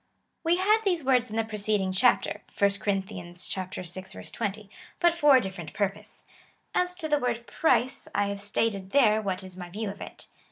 We had these words in the preceding chapter, (1 Cor. vi. 20,) but for a different purpose. As to the word price, I have stated there, what is my view of it.